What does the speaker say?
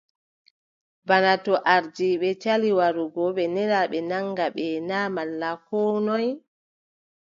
Bana to ardiiɓe cali warugo, ɓe nela ɓe naŋga ɓe na malla koo noy ?